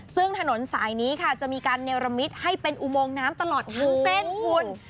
ซึ่งถนนสายนี้ค่ะจะมีการเนรมิตให้เป็นอุโมงน้ำตลอดทั้งเส้นคุณ